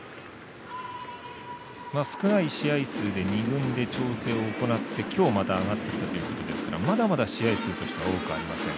少ない試合数で二軍で調整を行って今日、また上がってきたということですからまだまだ試合数としては多くはありません。